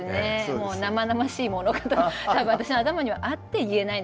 もう生々しいものが多分私の頭にはあって言えないんだと思うんですけど。